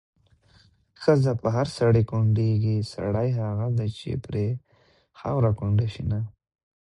ښځه په هر سړي کونډيږي، سړی هغه دی چې پرې خاوره کونډه شينه